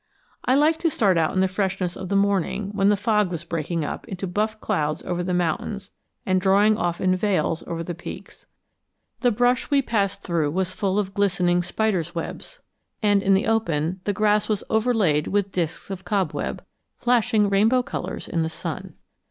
I liked to start out in the freshness of the morning, when the fog was breaking up into buff clouds over the mountains and drawing off in veils over the peaks. The brush we passed through was full of glistening spiders' webs, and in the open the grass was overlaid with disks of cobweb, flashing rainbow colors in the sun.